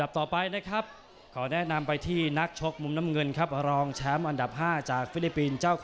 ด้วยไทยรวมไม้รักสมัครคีย์